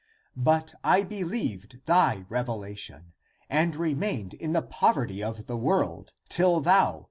But I believed thy revelation and remained in the poverty of the world till thou, the 8 Comp.